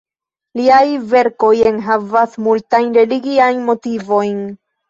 Liaj verkoj enhavas multajn religiajn motivojn.